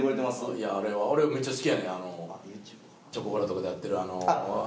いやあれは俺めっちゃ好きやねんチョコプラとかとやってる。